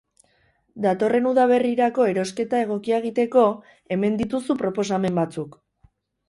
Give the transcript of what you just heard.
Datorren udaberrirako erosketa egokia egiteko, hemen dituzu proposamen batzuk.